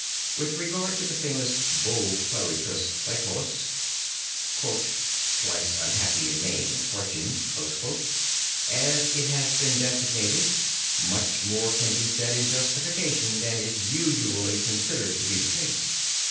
With regard to the famous Bull Clericis Laicos, "thrice unhappy in name and fortune" as it has been designated, much more can be said in justification than is usually considered to be the case.